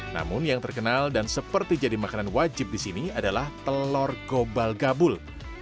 namun yang terkenal dan seperti jadi makanan wajib di sini adalah telur gobal gabul